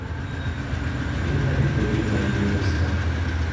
Він не відповів на її листа.